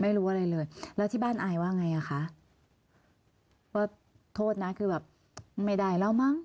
ไม่รู้อะไรเลยแล้วที่บ้านอายว่าไงอ่ะคะว่าโทษนะคือแบบไม่ได้แล้วมั้ง